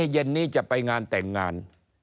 เย็นนี้จะไปงานแต่งงาน